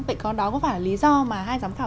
vậy còn đó có phải là lý do mà hai giám khảo